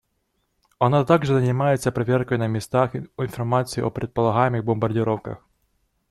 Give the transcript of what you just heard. Она также занимается проверкой на местах информации о предполагаемых бомбардировках.